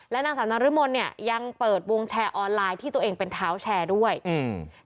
นางสาวนรมนเนี่ยยังเปิดวงแชร์ออนไลน์ที่ตัวเองเป็นเท้าแชร์ด้วยอืม